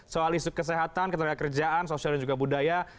soal isu kesehatan ketenaga kerjaan sosial dan juga budaya